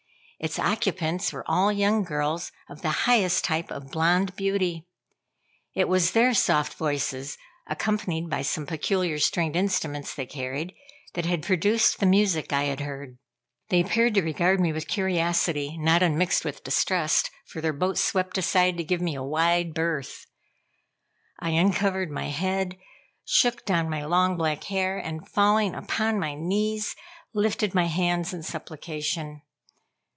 Its occupants were all young girls of the highest type of blonde beauty. It was their soft voices, accompanied by some peculiar stringed instruments they carried, that had produced the music I had heard. They appeared to regard me with curiosity, not unmixed with distrust, for their boat swept aside to give me a wide berth. I uncovered my head, shook down my long black hair, and falling upon my knees, lifted my hands in supplication.